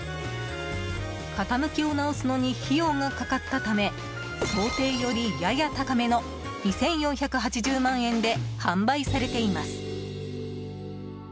傾きを直すのに費用がかかったため想定より、やや高めの２４８０万円で販売されています。